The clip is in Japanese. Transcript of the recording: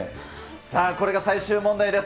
さあ、これが最終問題です。